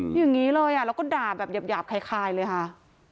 อย่างนี้เลยแล้วก็ด่าแบบหยาบคล้ายเลยค่ะ